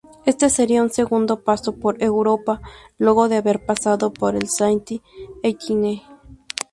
Este sería su segundo paso por Europa luego de haber pasado por el Saint-Etienne.